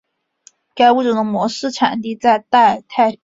该物种的模式产地在太平洋。